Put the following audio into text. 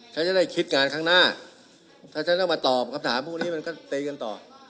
ฉันจะได้คิดงานข้างหน้าถ้าฉันต้องมาตอบคำถามพวกนี้มันก็ตีกันต่อ